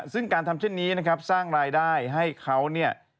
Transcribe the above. ซึ่งการทำเช่นนี้นะครับสร้างรายได้ให้เขาเนี่ย